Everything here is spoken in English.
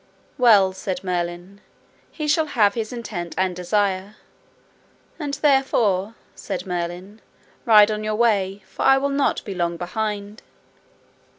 Well, said Merlin, he shall have his intent and desire. And therefore, said Merlin, ride on your way, for I will not be long behind.